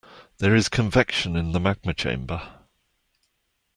There is convection in the magma chamber.